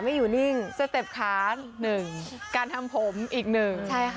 อยู่นิ่งสเต็ปขาหนึ่งการทำผมอีกหนึ่งใช่ค่ะ